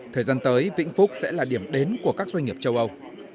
thời gian tới vĩnh phúc sẽ là điểm đến của các doanh nghiệp châu âu